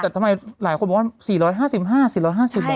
แต่ทำไมหลายคนบอกว่า๔๕๕๔๕๐บาท